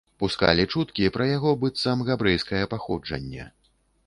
Пускалі чуткі пра яго быццам габрэйскае паходжанне.